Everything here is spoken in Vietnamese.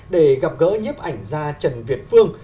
để gặp gỡ nhếp ảnh ra trần việt phương